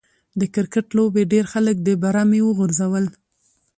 د کرکټ لوبې ډېر خلک د برمې و غورځول.